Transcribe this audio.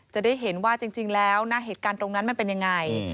จะได้เห็นว่าจริงแล้วนะเหตุการณ์ตรงนั้นมันเป็นยังไง